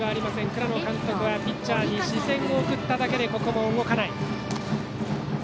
倉野監督はピッチャーに視線を送っただけでここも動かない。